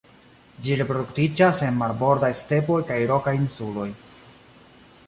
Ĝi reproduktiĝas en marbordaj stepoj kaj rokaj insuloj.